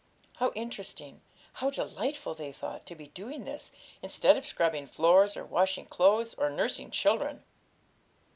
How interesting, how delightful, they thought, to be doing this, instead of scrubbing floors, or washing clothes, or nursing children!